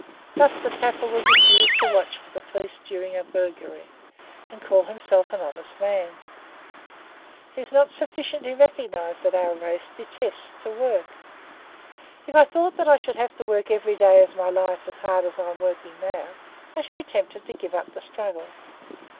Thus the tapper would refuse to watch for the police during a burglary, and call himself a honest man. It is not sufficiently recognised that our race detests to work. If I thought that I should have to work every day of my life as hard as I am working now, I should be tempted to give up the struggle.